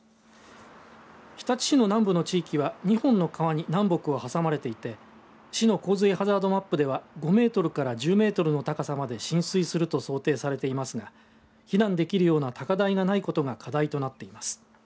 日立市の南部の地域は２本の川に南北を挟まれていて市の洪水ハザードマップでは５メートルから１０メートルの高さまで浸水すると想定されていますが避難できるような高台がないことが課題となっています。